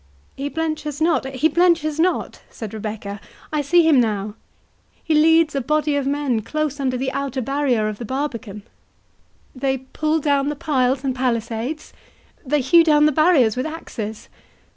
"He blenches not! he blenches not!" said Rebecca, "I see him now; he leads a body of men close under the outer barrier of the barbican. 36 —They pull down the piles and palisades; they hew down the barriers with axes.